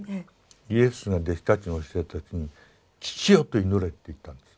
イエスが弟子たちに教えた時に父よと祈れって言ったんです。